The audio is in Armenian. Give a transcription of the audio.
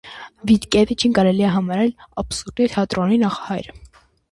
Վիտկևիչին կարելի է համարել աբսուրդի թատրոնի նախահայրը։